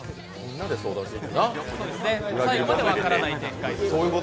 最後まで分からない展開です。